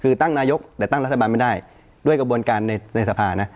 คือตั้งนายกแต่ตั้งรัฐบาลไม่ได้ด้วยกระบวนการในสภานะ